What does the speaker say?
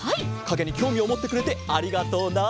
かげにきょうみをもってくれてありがとうな。